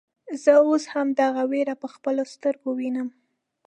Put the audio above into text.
زه اوس هم دغه وير په خپلو سترګو وينم.